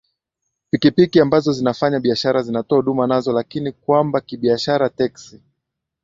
pikipiki ambazo zinafanya biashara zinatoa huduma nazo lakini ni kwamba kibiashara teksi